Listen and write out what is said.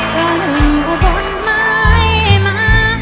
ก็ลุ่มอุบลไม่มา